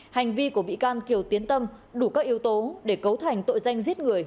hành vi của bị can kiều tiến tâm đủ các yếu tố để cấu thành tội danh giết người